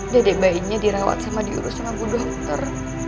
dedek bayinya dirawat sama diurus sama bu dokter